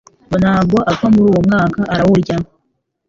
ngo ntabwo apfa muri uwo mwaka, arawurya